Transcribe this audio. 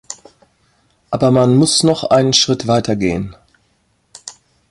Aber man muss noch einen Schritt weitergehen.